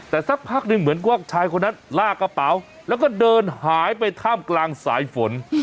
แต่สักพักหนึ่งเหมือนว่าชายคนนั้นลากกระเป๋าแล้วก็เดินหายไปท่ามกลางสายฝน